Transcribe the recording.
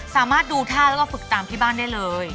สามารถดูท่าแล้วก็ฝึกตามที่บ้านได้เลย